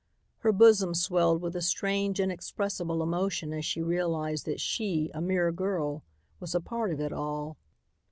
Her bosom swelled with a strange, inexpressible emotion as she realized that she, a mere girl, was a part of it all.